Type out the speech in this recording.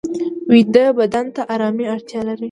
ویده بدن ته آرامي اړتیا لري